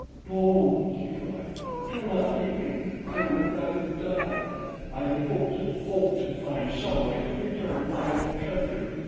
"No," she cried. "Do not leave me. I would rather die. I had hoped and hoped to find some way to return to my own country.